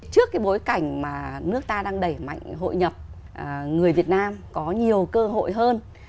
trước cái bối cảnh mà nước ta đang đẩy mạnh hội nhập người việt nam có nhiều cơ hội hơn